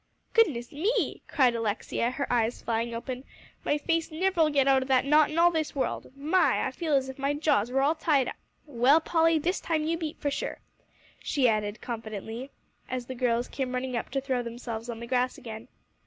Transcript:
"Goodness me!" cried Alexia, her eyes flying open, "my face never'll get out of that knot in all this world. My! I feel as if my jaws were all tied up. Well, Polly, this time you beat for sure," she added confidently, as the girls came running up to throw themselves on the grass again.